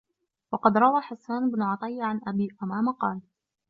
وَقَدْ رَوَى حَسَّانُ بْنُ عَطِيَّةَ عَنْ أَبِي أُمَامَةَ قَالَ